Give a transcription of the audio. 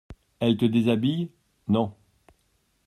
Elle te déshabille ? Non.